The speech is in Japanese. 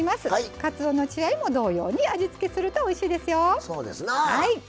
かつおの血合いも同様に味付けするとおいしいですよ。